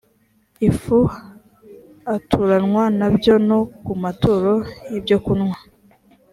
ifu aturanwa na byo no ku maturo y ibyokunywa